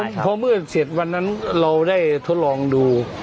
เพราะเมื่อเสร็จวันนั้นเราได้ทดลองดู